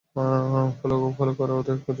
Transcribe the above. Follow করো ওদের, খুঁজে বের করো।